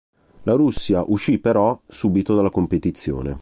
La Russia uscì però subito dalla competizione.